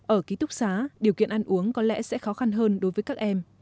ở ký túc xá điều kiện ăn uống có lẽ sẽ khó khăn hơn đối với các em